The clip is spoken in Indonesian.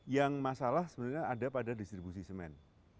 yang masalah sebenarnya ada pada distribusi semen